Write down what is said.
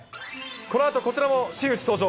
このあと、こちらも真打ち登場。